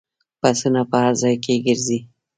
بسونه په هر ځای کې ګرځي.